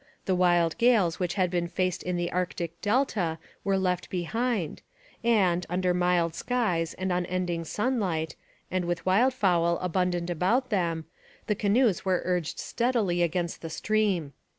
The wild gales which had been faced in the Arctic delta were left behind, and, under mild skies and unending sunlight, and with wild fowl abundant about them, the canoes were urged steadily against the stream.